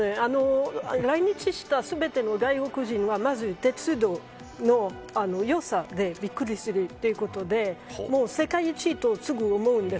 来日した全ての外国人はまず鉄道の良さでびっくりするということで世界一と思うんです。